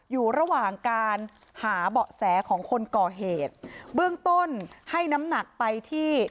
อยู่ระหว่างการหาเบาะแสของคนก่อเหตุเบื้องต้นให้น้ำหนักไปที่